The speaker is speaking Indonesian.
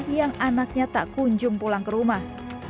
yang anaknya tak kunjung pulang ke rumah